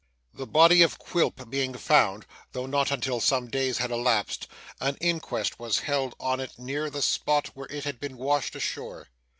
The body of Quilp being found though not until some days had elapsed an inquest was held on it near the spot where it had been washed ashore.